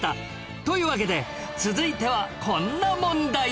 というわけで続いてはこんな問題